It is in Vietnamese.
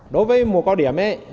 đối với mùa cao điểm